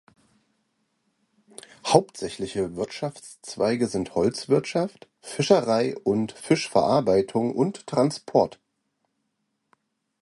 Hauptsächliche Wirtschaftszweige sind Holzwirtschaft, Fischerei und Fischverarbeitung und Transport.